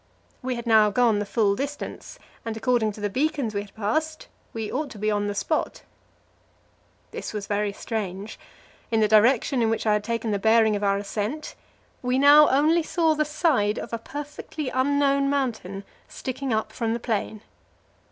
We had now gone the full distance, and according to the beacons we had passed, we ought to be on the spot. This was very strange; in the direction in which I had taken the bearing of our ascent, we now only saw the side of a perfectly unknown mountain, sticking up from the plain.